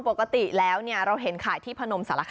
อารมณ์ของแม่ค้าอารมณ์การเสิรฟนั่งอยู่ตรงกลาง